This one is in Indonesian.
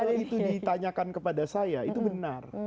kalau itu ditanyakan kepada saya itu benar